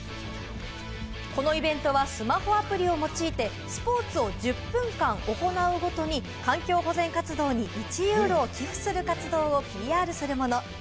このイベントはスマホアプリを用いて、スポーツを１０分間行うごとに環境保全活動に１ユーロを寄付する活動をＰＲするもの。